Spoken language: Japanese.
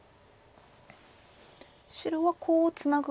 白はコウをツナぐ